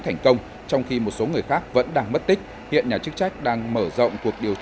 thành công trong khi một số người khác vẫn đang mất tích hiện nhà chức trách đang mở rộng